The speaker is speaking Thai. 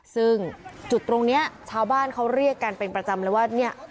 ซึ่งจุดตรงนี้ชาวบ้านเขาเรียกกันเป็นประจำเลยว่าเนี่ย